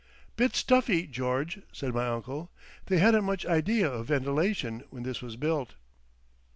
"Bit stuffy, George," said my uncle. "They hadn't much idea of ventilation when this was built."